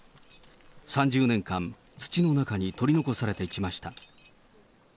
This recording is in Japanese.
３０年間、土の中に取り残されてきました。